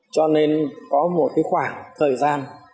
cho nên có một cái khoảng thời gian